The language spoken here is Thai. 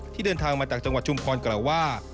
เดินทางมาจากจังหวัดชุมพรกล่าวว่า